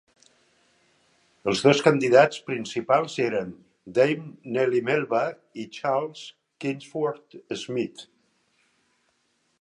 Els dos candidats principals eren Dame Nellie Melba i Charles Kingsford Smith.